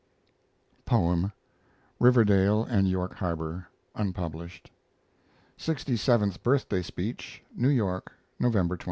Poem (Riverdale and York Harbor) (unpublished) Sixty seventh Birthday speech (New York), November 27.